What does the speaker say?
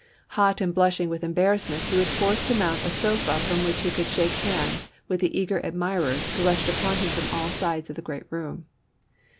Hot and blushing with embarrassment he was forced to mount a sofa from which he could shake hands with the eager admh' ers who rushed upon him from all sides of the great room.